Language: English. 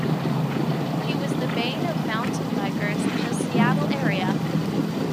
He was the bane of mountain bikers in the Seattle area.